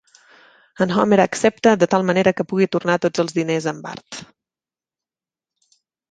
En Homer accepta de tal manera que pugui tornar tots els diners a en Bart.